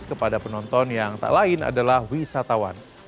kepada penonton yang tak lain adalah wisatawan